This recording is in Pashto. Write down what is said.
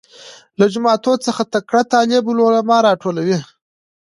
له جوماتو څخه تکړه طالب العلمان راټولوي.